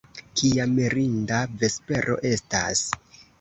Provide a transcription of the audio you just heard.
Kia mirinda vespero estas.